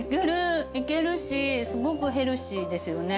いけるしすごくヘルシーですよね